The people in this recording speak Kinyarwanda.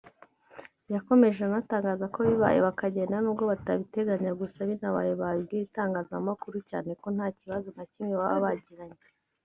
yakomeje anatangaza ko bibaye bakagenda nubwo batabiteganya gusa binabaye babibwira itangazamakuru cyane ko ntakibazo na kimwe baba bagiranye